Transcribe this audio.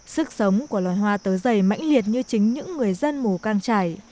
sức sống của loài hoa tớ dày mãnh liệt như chính những người dân mù căng trải